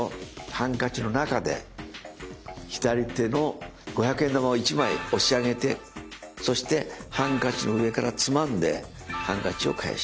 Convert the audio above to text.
ハンカチの中で左手の五百円玉を１枚押し上げてそしてハンカチの上からつまんでハンカチを返します。